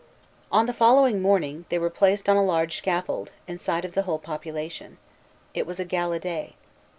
On the following morning, they were placed on a large scaffold, in sight of the whole population. It was a gala day.